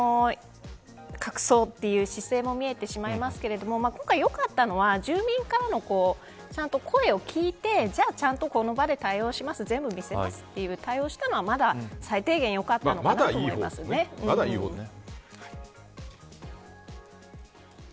隠そうという姿勢も見えてしまいますけど今回よかったのは、住民からの声を聞いて、じゃあちゃんとこの場で対応します全部見せますという対応をしたのはまだいい方だよね。